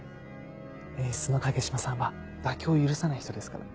演出の影島さんは妥協を許さない人ですから。